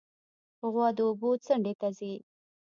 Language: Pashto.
غوا د اوبو څنډې ته ځي.